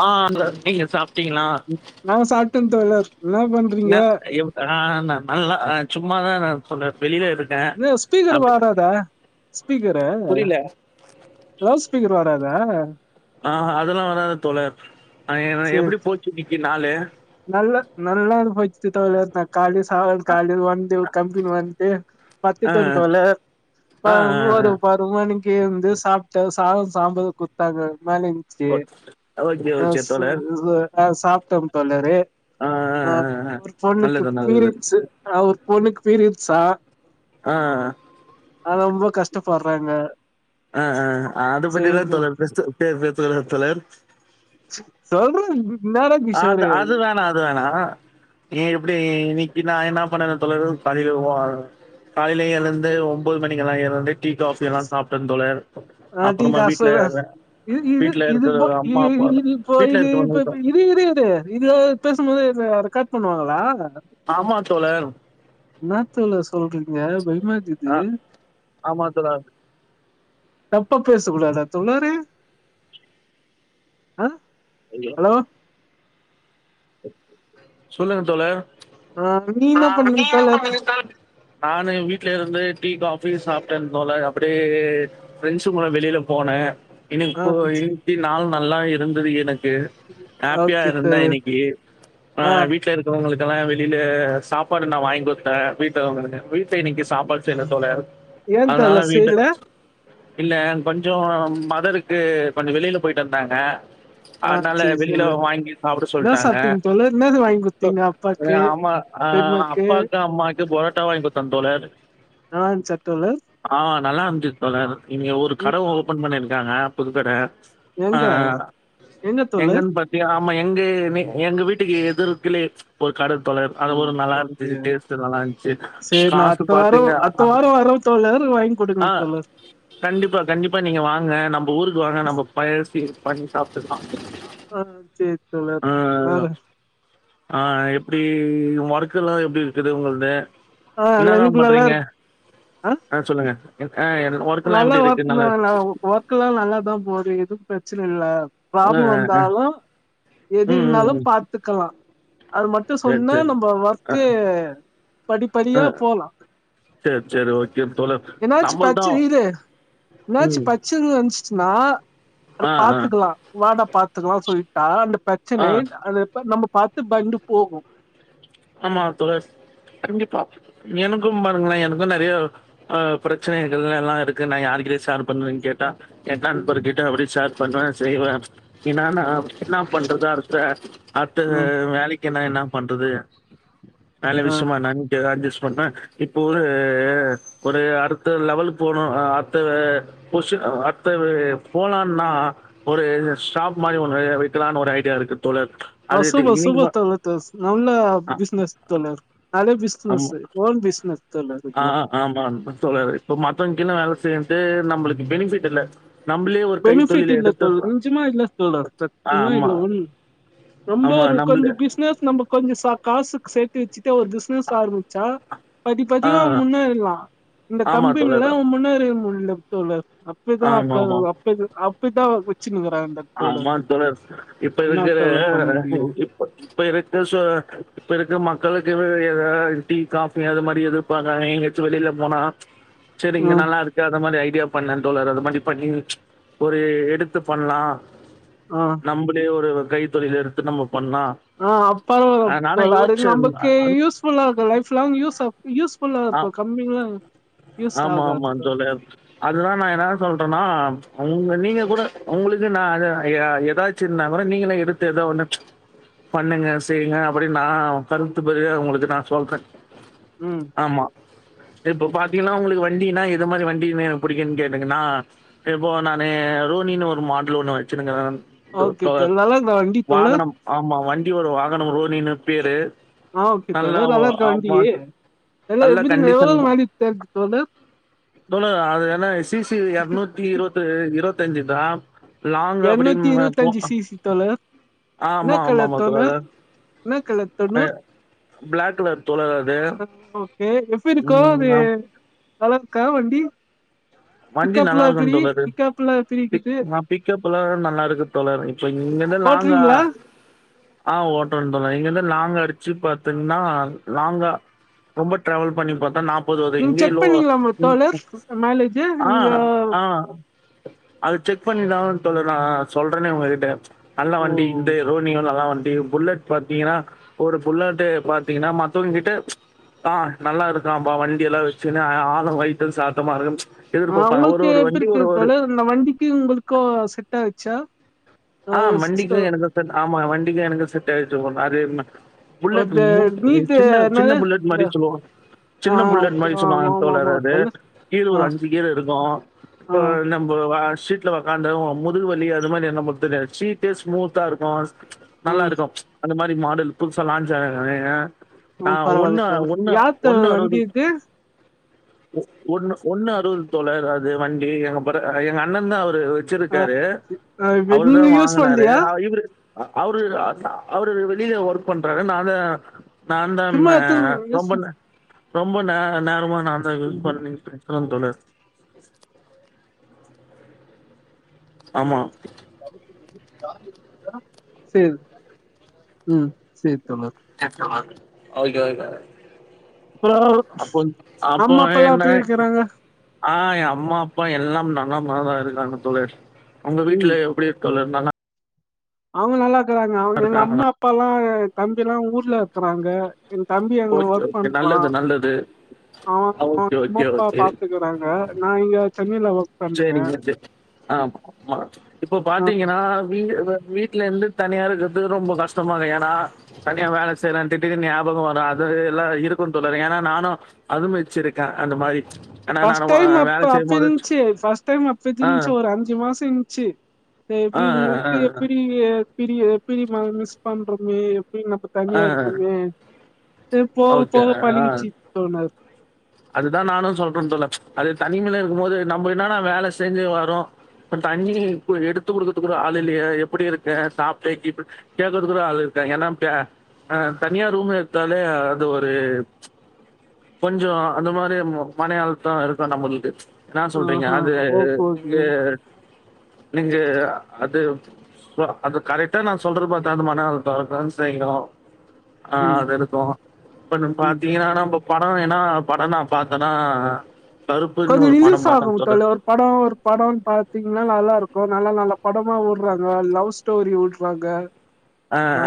ஆ நீங்க சாப் டீங்களா ம். நான் சாப்பிட்டேன் தோழர் என்ன பண்றீங்க என்ன எவ் நா என்ன நால்லா சும்மாதா நா சொன்னே வெளியில இருக்கே இது ஸ்பீக்கர் [unintelligible] வராதா [unintelligible] லவ் ஸ்பீக்கர் வராதா ஆ அதெல்லா வராது தோழர் ஆ, என்ன- செர் எப்படி போச்சு இன்னைக்கு நாள் [inaudible] நல்ல நல்லா அது போய்டுச்சி தோழர் [inaudible] காவ காடு வந்து கம்பெனி வந்துட்டு பத்து ஆ தா தோழர் இப்ப ஆ ஒரு ஒரு மணிக்கி வந்து சாப்ட்டோ சாத சாம்பாரு குடுத்தாங்க [inaudible] ஓகே ஓகே தோழர் அ சாப்ட்டோ தோழரே ஆ அவுரு பொண்ணுக்கு பீரியன்ட்ஸு அவர் பொண்ணுக்கு பீரியன்ட்ஸா அ அ அ அத ரொம்ப கஷ்டப்படுறாங்க ஆ ஆ அத பத்திளா சரி தோழர் பெஸ்ட் [inaudible] தோழர் சொல்றே என்னடா அது கிஷோரு அது வேணா அது வேணா ஏன் எப்டி இன்னைக்கி நா என்ன பண்ணுனா தோழரு காலை ஒனா காலயில எழுந்து ஒன்பது மணிக்கெல்லா எழுந்து டீ காஃபி எல்லா சாப்ட்ட தோழர் ஆ டீ அப்புறமா காசு வீட்ல [inaudible] இது இது வீட்ல இருக்கிற இதுப்போய் அம்மா அப்பா இது இது இது வீட்ல இது [inaudible] இப்ப இப்ப இருக்கிறவங்களுக்கு இரு இரு இரு இத பேசமோதே இத அத கட் பண்ணுவாங்களா ஆமா தோழர் இன்னாதல சொல்றீங்க பைமாக்குது ஆ ஆமா தோழர் தப்ப பேசக்கூடாதா தோழரு அ இல்ல சொல்லுங்க தோழர் ஆ நீ என்ன பண்ணீங்க தோழர் நானு வீட்ல இருந்து டீ காஃபி சாப்ட்ட தோழர் அப்டியே ஃப்ரெண்ட்ஸு கூட வெளில போனே எனக்கு ஆ இப்ப சரி இன்னிக்கி நாள் நல்லா இருந்தது எனக் கு ஹாப்பியா ஓகே இருந்தே தோழர் இன்னிக்கி ஆ வீட்ல இருக்குறவங்களுக் கு எல்லா வெளில சாப்பாடு நா வாங்குடுத்தே வீட்ல உள்ளவுங்களுக்கு வீட் ல இன்னிக்கி சாப்பாடு செய்ல தோழர் ஏன் அதனால தோழர் வீட்ட செய்யல இல்ல கொஞ்சோ மதருக்கு கொஞ்சோ வெளில போயிட்டு வந்தாங்க ஆ அதனால சரி வெளில தோழர் வாங்கி சாப்பட சொல் என்ன டாங்க சாப்ட்டீங்க தோழர் என்னது வாங்கி குடுத்தீங்க எங்க அப்பாக்கு அம்மா ஆ பெரியம்மாக்கு அப்பாக்கு அம்மாக்கு புரோட் ட்டா வாங்கிகுடுத்தே தோழர் நல்லா இருந்துச்சா தோழர் ஆமா நல்லா இருந்துது தோழர் இங்க ஒரு ம் கடை ஓபன் பண்ணிருக்காங்க புதுக்கட ஆ எங்க எங்க தோழர் எங்கன்னு பாத்தியா ஆமா எங்கமே எங்க வீட்டுக்கு எதிர்க்கிலே ஒரு கட தோழர் ஓ அது போரு நல்லா ஓகே. இருந்துச்சு டேஸ்ட்டு நல்லா இருஞ்சி காசு பாத்தீங்க அப் எல்லாரு வாங்கிகுடுக்கனு தோழர் கண்டிப்பா கண்டிப்பா நீங்க வாங்க நம்ப ஊருக்கு வாங்க நம்ம பய்சி பண்ணி சாப்ட்டுக்கலா ஆ சேரி ஆ ஆ ஆ எப்டி வொர்க்காலா எப்டி இருக்குது உங்கள்து ஆ நல்லா- என்னதா எனக்கு நல்லா பண்றீங்க இருக்கு. ஆ சொல்லுங்க என்- ஆ ஒர்க்கெல்லாம் நல்லா எப்படி ஒர்க் இருக்கு நல்லா மேல இருக்கு ஒர்க்கால்ல நல்லாதா போது எதுவு பிரச்சனை இல்ல ஆ பராப்லோ ஆ ஆ வந்தாலு எது ம் ம் இருந்தாலு ம் பாத்துக்கலா அது மட்டு சரி சொன்னா சரி நம்ப ஆ ஒர்க்கு படிப்படியா போலா சேரி சேரி ஓகே தோழர் சம்பளந்த ச்சு இரு என்னாச்சு பிரச்சனை நஞ்சுனா அத ஆ ஆ பாத்துக்கலா வாடா பாத்துக்கலானு சொல்லிட்டா அந்த ஆ பிச்சனை அது இப்ப நம்ப பாத்து பயந்து போகு ஆமா தோழர் கண்டிப்பா எனக்கும் பாருங்கலே எனக்கு நெறைய ஆ பிரச்சனைகள் எல்லா இருக்கு நா யாருக்கிட்டயு சேர் பண்னுவேனு கேட்டா என் நண்பர் கிட்ட அப்டியே ஷேர் பண்ணதா செய்வே என்னான்னா என்னா பண்றதா இருக்க அடுத்ததா ம். வேலைக் க்கின்னா என்னா பண்றது வேல ஆ. விசியமா என்னானு [unintelligible] ராஜேஷ் பண்னா இப்போ ஒரு ஒரு அடுத்த லெவலு போனு அ அடுத்த பொசிஸ் அடுத்தது போலான்னா ஒரு ஷாப் மாரி ஒன்ணு வைக்காலானு ஒரு ஐடியா இருக்குது பசு சூப்பர் சூப்பர் தோழர் தோ நல்ல அ பிசினஸ் தோழர் நல்ல ஆமா. பிசினஸ்சு ஓன் பிசினஸ் தோழர் ஆ இதெல்லாம் ஆமா ஆமா தோழர் இப்ப மத்தவங்கின்ன வேலை செய்றது நம்மளுக்கு பெனிபிட் இல்ல நம்மளே ஒரு பெனிபிட் கைத்தொழில இல்ல எடுத்து தோழர் கொஞ்சமா இல்ல தோழர் ஆ, சத்தியமா ஆமா, இல்ல ஒன் ரொம்ப ஆமா. ஒரு நம்மளே கொஞ்சோ பிசினஸ் நம்ம கொஞ்சோ சா காசுக்கு சே த்து வச்சுட்டு ஒரு பிஸ்னஸ் ஆரம்புச்சா ஆ படிப்படியா முன்னேறலா இந்த ஆமா கம்பென்ல தோழர். முன்னேறவே முட்ல தோழர் அப்படிதா அக்க ஆமாமா. அப்ப அப்பித்தா [unintelligible] ஆமா தோழர் இப்ப என்ன இருக்கிற ஆ தோழர் பண்ண முடியும் இப்ப இப்ப இருக்க சோ இப்ப இருக்க மக்களுக்குனு ஏதாது டீ காபி அது மாரி எதிர்பாக்கறாங்க எங்க யாச்சு வெளில போனா சரி இங்க ஆ நல்லாருக்கு அது மாரி ஐ அப்டியா பண்ணே தோழர் அது மாரி பண்ணி ஒரு எடுத்து பண்லா ஆ நம்பளே ஒரு கைத்தொழில எடுத்து நம்ம பண்ணலாம். ஆ பரவால அ நானா தோழர் அட்லீஷ் யோசிச்சேன். நமக்கு அ யூஸ்புல்லா இருக்கு லைப் லாங் யூஸ்ஸாகு யூஸ் புல்லா அ இருக்கு கம்மியல்லா யூஸ் ஆக [unintelligible] அதுதா நா என்னா சொல்றேன்னா உங்க நீங்க கூட உங்களுக்கு நா ஏ ஏதாச்சுனா அப்ரோ நீங்கலு எடுத்து ஏதோ ஒண்ணு பண்ணுங்க செய்யுங்க அப்படின்னு நா கருத்து பெரிய உங்களுக்கு நா சொல்றே ம் ஆமா இப்ப பாத்தீங்கனா உங்களுக்கு வண்டின்னா எது மாரி வண்டி எனக்கு பிடிக்கும்னு கேட்டங்கன்னா இப்போ நானு அ ரோனினு ஒரு மாடலு ஒன்னு வச்சுருக்கறே டு ஓகே டோ தோழர் நல்லா இருக்கா வண்டி தோழர் வாகனம் ஆமா வண்டி வரு வாகனோ ரோனினு பேரு ஆ இப்போவே நல்லா ஒ நல்லாருக்கா வண்டி ஆமா. எல்லா நல்ல எப்பிடி எவ்வளோ வாடி இத் தோழர் சொல்லு அது என்ன சி சி எரநூத்தி இருவத்து இருவத்தஞ்சுதா லாங்க எரநூத்தி அப்படின்ம போ இருவத்தஞ்சு சிசி தோழர் என்ன ஆமா ஆமா கலர் ஆமா தோழர் தோழரே என்ன கலர் அ தோழர் பிளாக் கலர் தோழர் அது ஓகே எப்பிருக்கோ அது ம், நல்லாருக்கா வண்டி வண்டி பிக்கப்லா நல்லாருக்கும்ன்னு எப்டி தோணுது பிக்கப்லா எப்டி பிக் இருக்குது நா பிக்கப் எல்லா நல்லாருக்கு தோழரே இப்ப இங்கிர்ந்து நாங்க ஓட்றீங்களா ஆ ஓட்ரன்டுர்லா இங்க இருந்து லாங்கார்ச்சு பாத்தீங்னா லாங்கா ரொம்ப டிரவல் பண்ணி பாத்தா நாப்பது வகை நீங்க செக் இங்கேலோ பண்ணீங்களா உங்க தோழர் மைலேஜ் ஆ நீங்க ஆ அது செக் பண்ணி தா தோழர் நா சொல்றேனே ஒங்ககிட்ட நல்லா வண்டி ஓ வந்து ரோனியோ நல்லா வன் டு புல்லட் பாத்தீங்கனா ஒரு புல்லட்டு பாத்தீங்னா மத்தவங்ககிட்ட ஆ நல்லா இருக்காம்பா வண்டி எல்லா வச்சுனு ஆ ஆலு வொயிட் சாத்தமாருக்கு ம்ச் ஆ உங்களுக்கு எப்டி இருக்கு தோழர் இந்த வண்டிக்கு உங்களுக்கோ செட் ஆச்சா ஆ மண்டிக்கு எனக்கு செட் ஆமா வண்டிக்கு எனக்கு செட் ஆயிர்ச்சி போல அதே புல்லெட்டு அந்த மூன் அது நீட்டு சின்னதா சின்ன என்னது புல்லெட் இந்த மாரி சொல்வோ ஆ சின்ன புல்லெட் ஓகே மாரி ஆமா சொல்வாங்க ஆமா தோழர் ஆமா அது கீழ ஒரு ஆ அஞ்சு கீரு இருக்கு ஆ இப்போ நம்போ வ சீட்ல ஒக்காந்தா முதுகு வலி அது மாரி நமக்கு தெரியது சீட்டே ஸ்மூத்தாருக்கு ஆ நல்லா இருக்கு ப்ச் அந்த மாரி மாடல் புதுசா லான்ஞ அ ஆ பரவால்ல ஒன்னு தோழர் ஒன்னு யார் ஒண்ணு தோழர் அறுவது வண்டி இது ஒ ஒன்னு ஒண்ணு அறுவது தோழர் அது வண்டி எங்அப்பாட்ட எங்க அண்ணந்தா அவரு ஆ வச்சிருக்காரு சரி. ஆ இப்ப அவரு தா நீங்க யூஸ் வாங்கனாரு பண்லையா ஆ இவரு அ அவரு அவரு வெளிய ஒர்க் பண்றாரு நா தா நாதா ம் சும்மா அ எடுத்துனு யூஸ் ரொம்ப ரொம்ப நே நேரமா நா தா யூஸ் பண்ணிட்டு ட்றன் தோழர் ஆமா செரி ம் செரி ஓகே ஓகே அப்றோ அப்போங் அப்போ அம்மா அப்பால்லா என்ன எப்டி இருக்குறாங்க ஆ எ அம்மா அப்பா எல்லாம் நலமாக இருக்காங்க தோழர் ஒங்க வீட்ல எப்டி சொல்லிருந்தானா அவுங்க நல்லாக்றாங்க அவுங்க எங்க அம்மா அப்பா எல்லா தம்பி எல்லா ஊர்ல இருக்குறாங்க என் தம்பி அங்க ஓகே வொர்க் ஓகே பண்றா நல்லது நல்லது அவுங்க ஓகே ஓகே அம்மாப்பா ஓகே பாத்துக்குறாங்க நா இங்க சென்னைல ஒர்க் பண்றே ஆம்மா இப்ப ஆ பாத்தீங்கனா வீ வெ வீட்லருந்து தனியா இருக்கறதுக் ரொம்ப கஷ்டமாருக் ஏனா தனியா வேல செய்ரென்ட்டு திடீர்னு ஞாபகோ வரா எல்லா இருக்கு தோழரே ஏனா நானு அதும் வச்சிருக்கே அந்த மாரி ஏன்னா, ஃபஸ்ட் நானும் டைம் அப்ப வேலை செய்யும்போது அப்பின்ச்சி ஃபஸ்ட் டைம் ஆ, அப்டின்ச்சி ஒரு அஞ்சு மாசோ இன்ச்சி மே ஆ, பி ஆ, உங்கள்க்கு எப்டி பிரிய எப்டி ம மிஸ் பண்றமே செரி நம்ப ஆ, தனியா ஆ, இருக்கோமே சேரி போக ஓகே. போக பழிகிச்சி தோழர் அதுதா நானு சொல்ற தோழர் ப்ச் அது தனிமைல இருக்கு போது நம்ப என்னானா வேல செஞ்சி வரோ இப்ப தண்ணி கு எடுத்து குடுக்குறத்கு கூட ஆள் இல்லேயே எப்டி இருக்க சாப்ட்ட கீப் கேக்கற்துக் கூட ஆள் தே ஏனா பே அ தனியா ரூம் எட்த்தாலே அது ஒரு ப்ச் கொஞ்சோ அந்த மாரி மனையாள்ட்ட இருக்கு நம்மள்க்கு ப்ச் என்ன சொல்றீங்க ஆஹா அது ஓகே நீங்க ஓகே நீங்க அது சோ அது கரெட்டா நா சொல்ற பாத்தா அந்த மனால் தொடக்றன் செய்யு ஆ ம் அது இருக்கு இப்ப நம் ம் பாத்தீங்கனா நம்போ படோ ஏனா படோ நா பாத்தனா கொஞ்சோ ரிலீஸ் ஆகு தோழர் ஒரு படோ ஒரு படோன் பாத்தீங்னா நல்லா இருக்கு நல்ல நல்ல படமா உட்றாங்க லவ் ஸ்டோரி உட்றாங்க ஆ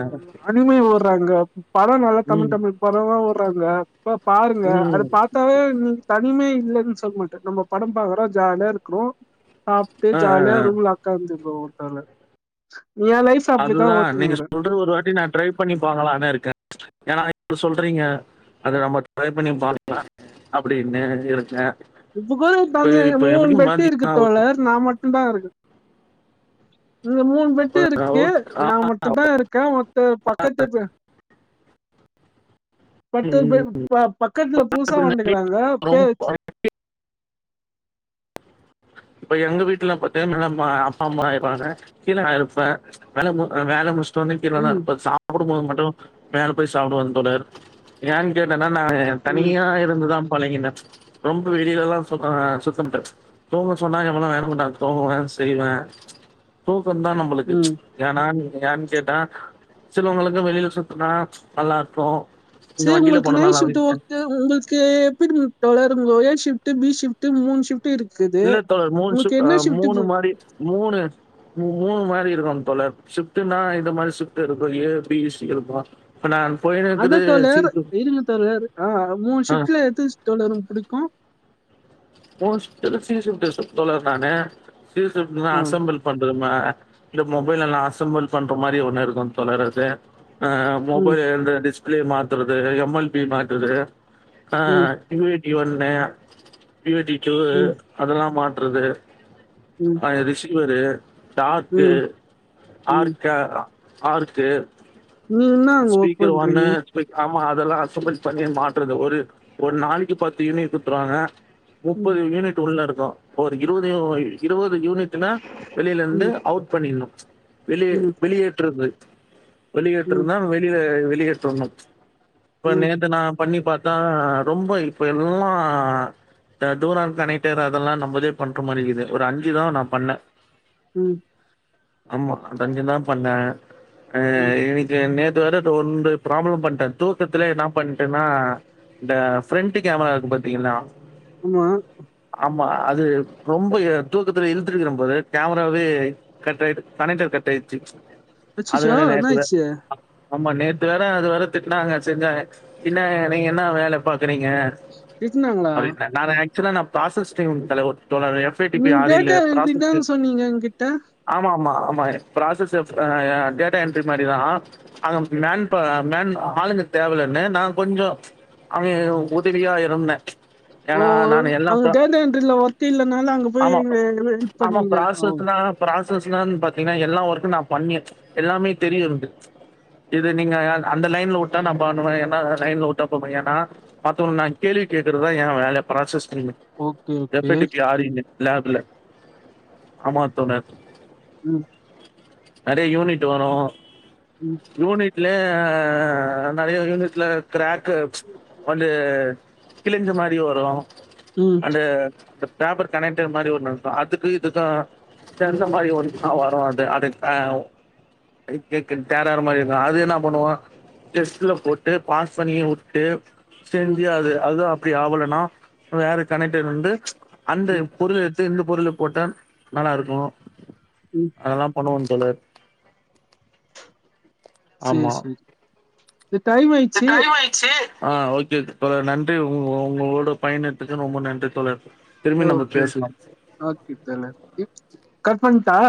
அது தா அனிமை உட்றாங்க படோ நல்ல தமிழ் ம் தமிழ் படமா உட்றாங்க பா பாருங்க அது ம் பாத்தாவே நீங்க த னிமை இல்லன் சொல்ல மாட்ட நம்ப படோ பாக்றோ ஜாலியா இருக்றோ சாப்ட்டு ஆ ஆ ஜாலியா ஆ ரூம்ல ஒக்காந்துர்ப்போ ஒட்டல்ல அதுதா நீங்க சொல்றத் ஒரு வாட்டி நா ட்ரை பண்ணி பாக்களானு இருக்கே ஏனா இப்ப சொல்றீங்க அத நம்ம ட்ரை பண்ணி பாக்கலா அப்டின்னு இருக்க இப்ப கூட தந்தைய மூணு பெட்டு இருக்கு பார்த்தீங்கன்னா, தோழர் நா மட்டுந்தா இருக்கு இந்த மூண் பெட்டு இப்ப இருக்கு ஓக் ஆ நா மட்டுந்தா இருக்க மத்த பக்கத்து பெ பத்து பே ம் ப பக்கத்துல புதுசா எப்படின்னா வீட்ல வண்டுக்கறாங்க பே ரொம்ப இப்ப எங்க வீட்ல பாத்தீங்க நாலா மா அப்பா அம்மா ஆய்ருவாங்க கீழ நா இருப்ப வலை வேல முடிச் சொன்ன கீழனா ம் இப்ப சாப்டும்போது மட்டு மேல போய் சாப்டுவாங்க தோழர் ஏன்னு கேட்டன் னா நா ம் தனியா இருந்துதா பழங்கின ரொம்ப வெளிலல்லா ஆ சுத்த சுத்தமட்ட தூங்க சொன்னாங்க [unintelligible] தூங்கதா செய்வ தூ கந்தா நம்மளுக்கு ம் ஏனா யான்னு கேட்டா சிலவங்களுக்கு வெளில சுத்துனா நல்லாருக்கு சேரி உங்களுக்கு நைட் சிப்ட்டு ஓகே உங்களுக்கு எப்டிங்க தோழர் கோயல் ஷிப்டு பி ஷிப்டு மூன் ஷப்ட் இல்ல தோழர் மூண் ஷிப்ட் ஆ மூணு மாடி மூணு மு மூணு மாடி இருக்கு தோழர் ஷிப்டுன்னா இந்த மாரி ஷிப்டு இருக்கு ஏ பி சி இருக்கு அத தோழர் இருங்க தோழர் ஆ மூண் ஷிட்ல எது தோழரு புடிக்கு மூண் ஷிப்டுல சி ஷிப்டு தோழர் நானு சி ஷிப்டுனா ஆ அசம்பிள் பண்றமா இந்த மொபைல் எல்லா அசம்பள் பண்ற மாரி ஒண்ணு இருக்கு தோழர் அது ஆ ம் மொபைல் இந்த டிஸ்ப்ளே மாத்துறது எம் எல் பி மாத்றது ஆ ம் யு எ டி ஒண்ணு யு எ டி டூ ம் அதெல்லா மா ட்றது ம் ஆ எ ரிசிக்குற ஸ்டாக்கு ம் ம் ஆர்கா ஆர்க்கு நீங்க என்ன அங்க ஒர்க் ஸ்பீக்கர் ஒன்னு பண்றீங்க பிக் ஆமா இதெல்லா அசம்பள் பண்ணி மாட்றது ஒரு ஒரு நாளைக்கி பத்து யூனிட் குட்த்துருவாங்க ம் முப்பது யூனிட் உள்ள இருக்கு‌ ஒரு இருவது இருவது யூனிட்டுனா வெளிலந்து ம் அவுட் பண்ணிர்ணு வெளி ம் வெளியேற்றது ம் வெளியேற்றதுனா வெளி வெ வெளியேற்றணு இப்ப ம் நேத்த நா பண்ணி பாத்தா ரொம்ப இப்ப எல்லா டூரான் கனெக்டர் அதெல்லா நம்மதே பண்ற மாரிக்குது ஒரு அஞ்சுதா நா பண்ண ம் ஆமா அந்த அஞ்சதா பண்ண அ ம் இ நேத்து வேற ஒன்து ப்ராப்ளம் பண்ட்ட தூக்கத்துலே என்னா பண்ட்டேன்னா இந்த பிரண்ட்டு கேமரா இருக்கு பாத்தீங்கன்னா ஆமா ஆமா அது ரொம்ப தூக்கத்தில இழுத்துக்கிற போல கேமராவே கட்டாய்ட்டு கனெக்ட்டர் கட்டா ச்சுச் ச்சிச்சா என்னாய்ச்சு ஆமா நேத்து வேற அது வர திட்டினாங்க செஞ்சாங்க இன்னா நீங்க என்னா வேலை பாக் க்கறீங்க திட்னாங்களா [unintelligible] நா ஆக்சுவலா நா பராசஸ் டைம் தலைவர் தோழரே எப் ஐ டி பி நீங்க ஆறில்லா டேட்டா என்ட்ரி ப்ராஸஸ் தான சொன்னீங்க என்கிட்ட ஆமா ஆமா அம் ப்ராசஸ் எ டேட்டா என்ட்ரி மாரி டிதா அங்க மேன் ப மேன் ஆளுங்க தேவலன்னு நா கொஞ்சோ அவ உதவியா இருந்தே ஓ அங்க தேந்தன் இல்ல ஒத்த இல்லைனால அங்க போய் எ ஹெல்ப் பண்ணிங்க ஒ னா பராசஸ்லான்னு பாத்தீங்கன்னா எல்லா ஒர்க்க நா பண்ணே எல்லாமே தெரியு எனக்கு இது நீங்க அந்த லைன்ல விட்ட நா பண்ணுவே என்னா லைன்ல விட்டா இப்ப பண்ணுவே ஏன்னா மத்தவங் நா கேள்வி கேட்கறதா ஏ வேல ப்ராசஸ் ஓகே ரெ okay P T P R E னு லேப்ல ஆமா தோழர் ம் நெறைய யூனிட் வரு ம் யூனிட்லே நெறைய யூனிட்ல கிராக்கு வந்து கிழிஞ்ச மாரி வரு ம் அந்த ப பேப்பர் கனெக்டர் மாரி ஒன்னு இருக்கு அதுக்கு இதுக்கு தந்த மாரி ஒன்னுதா வரு அது அது ஆ அது கேக்க தேரற மாரி இருக்கு அது என்னா பண்ணு டெஸ்ட்ல போட்டு பாஸ் பண்ணிய வுட்டு ம் செஞ்சு அது அது அப்டி ஆவலைனா வேற கனெக்ட்டர் வந்து அந்த ம் பொருளை எடுத் து இந்த பொருள போட்ட நல்லா இருக்கு ம் அதெல்லா பண்ணுவோன்னு தோழர் செரி ஆமா செரி இது டைம் இது ஆயிச்சு டைம் ஆயிடுச்சு ஆ ஓகே தோழர் நன்றி உ உங்களோட பயணத்துக்கு ரொம்ப நன்றி தோழர் திரும்பி நம்ம ஓகே பேசலாம் ஆக்கித் தலதி கட்பண்டா